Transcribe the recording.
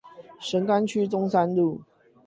神岡區中山路